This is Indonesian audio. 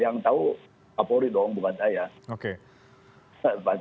yang tahu kapolri dong bukan saya